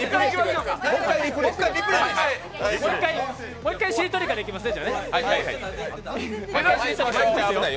もう一回しりとりからいきますね。